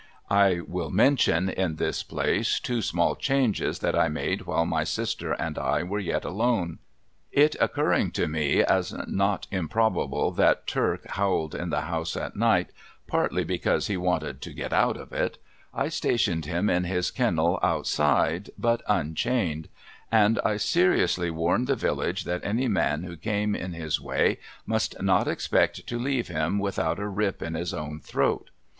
I Avill mention, in this place, two small changes that I made Avhile my sister and I Avere yet alone. It occurring to me as not improbable that Turk hoAvled in the house at night, partly because he Avanted to get out of it, I stationed him in his kennel outside, but unchained ; and I seriously Avarned the village that any man Avho came in his way must not expect to leave him Avithout a rip in his own throat.